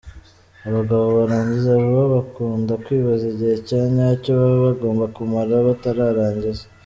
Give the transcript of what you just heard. Abagabo barangiza vuba bakunda kwibaza igihe cya nyacyo baba bagomba kumara batararangiza.